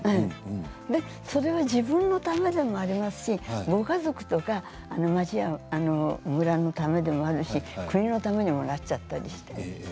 それは自分のためでもありますしご家族とか町や村のためでもあるし国のためにもなっちゃったりして。